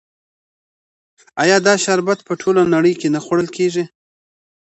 آیا دا شربت په ټوله نړۍ کې نه خوړل کیږي؟